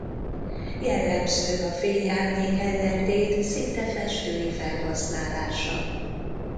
Jellemző a fény-árnyék ellentét szinte festői felhasználása.